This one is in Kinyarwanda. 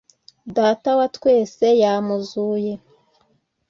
data wa twese yamuzuye